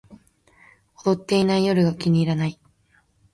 踊ってない夜が気に入らない